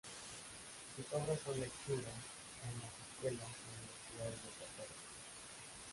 Sus obras son lectura en las escuelas y universidades de Puerto Rico.